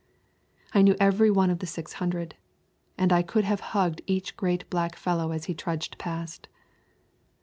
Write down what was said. I knew every one of the six hundred, and I could have hugged each great black fellow as he trudged past.